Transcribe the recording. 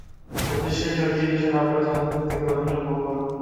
যদি সে সঠিক চিকিৎসা না পায়, তাহলে তাকে বাঁচানো সম্ভব হবে না।